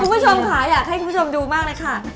คุณผู้ชมค่ะอยากให้คุณผู้ชมดูมากเลยค่ะ